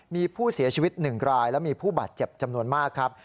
มีผู้เสียชีวิต๑รายและมีผู้บาดเจ็บจำนวนมากครับ